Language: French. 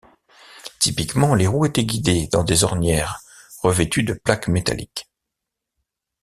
Typiquement, les roues étaient guidées dans des ornières revêtues de plaques métalliques.